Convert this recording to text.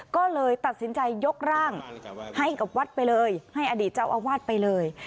ก็เลยตัดสินใจยกร่างให้กับวัดไปเลยให้อดีตเจ้าอาวาสไปเลย